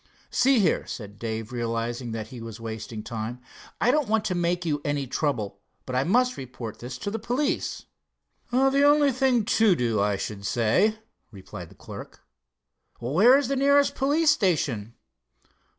"See here," said Dave realizing that he was wasting time, "I don't want to make you any trouble, but I must report this to the police." "The only thing to do, I should say," replied the clerk. "Where is the nearest police station?"